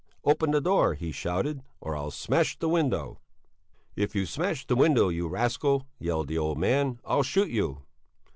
Open the door, he shouted, or I'll smash the window! "If you smash the window, you rascal," yelled the old man, "I'll shoot you!"